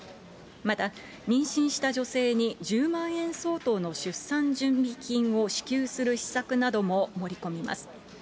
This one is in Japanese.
また、妊娠した女性に１０万円相当の出産準備金を支給する施策なども盛り込みます。